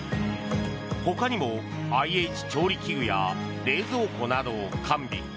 ほかにもＩＨ調理器具や冷蔵庫などを完備。